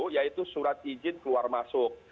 yaitu surat izin keluar masuk